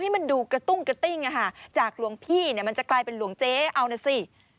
มันดูกระตุ้งกระติ้งจากหลวงพี่เนี่ยมันจะกลายเป็นหลวงเจ๊เอานะสิ